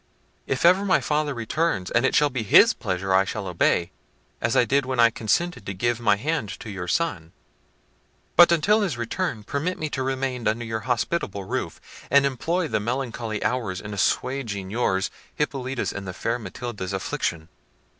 If ever my father returns, and it shall be his pleasure, I shall obey, as I did when I consented to give my hand to your son: but until his return, permit me to remain under your hospitable roof, and employ the melancholy hours in assuaging yours, Hippolita's, and the fair Matilda's affliction."